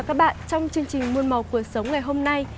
xin chào quý vị và các bạn trong chương trình muôn màu cuộc sống ngày hôm nay